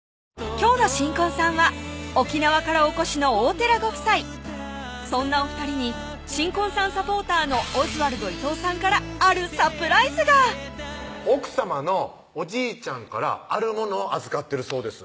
今日の新婚さんは沖縄からお越しの大そんなお２人に新婚さんサポーターのオズワルド伊藤さんからあるサプライズが奥様のおじいちゃんからあるものを預ってるそうです